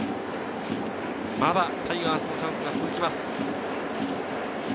まだタイガースのチャンスが続きます。